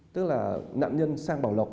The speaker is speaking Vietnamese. tức là nạn nhân sang bảo lộc